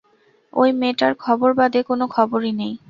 ঐ মেয়েটার খবর বাদে কোনো খবরই নেই।